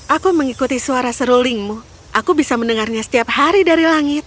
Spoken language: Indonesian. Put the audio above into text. aku mengikuti suara serulingmu aku bisa mendengarnya setiap hari dari langit